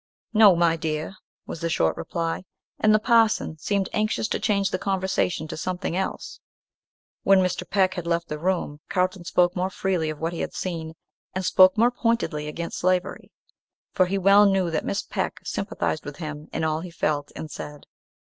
"No, my dear," was the short reply: and the parson seemed anxious to change the conversation to something else. When Mr. Peck had left the room, Carlton spoke more freely of what he had seen, and spoke more pointedly against slavery; for he well knew that Miss Peck sympathised with him in all he felt and said.